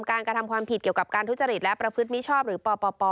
การกระทำความผิดเกี่ยวกับการทศลิษฐ์และประพฤตินิเทิบหรือปลอปลอปลอ